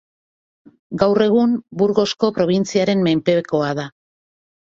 Gaur egun Burgosko probintziaren menpekoa da.